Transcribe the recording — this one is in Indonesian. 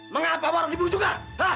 mengapa warog dibunuh juga hah